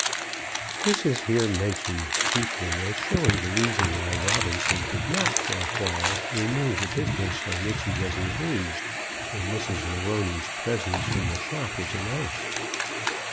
This is here mentioned chiefly as showing the reason why Robinson did not for awhile renew the business on which he was engaged when Mrs. Morony's presence in the shop was announced.